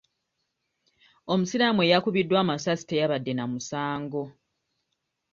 Omusiraamu eyakubiddwa amasasi teyabadde na musango.